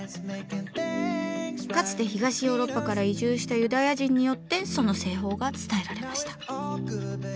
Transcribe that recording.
かつて東ヨーロッパから移住したユダヤ人によってその製法が伝えられました。